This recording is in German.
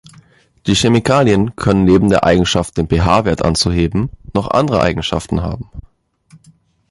Die Chemikalien können neben der Eigenschaft den pH-Wert anzuheben, noch andere Eigenschaften haben.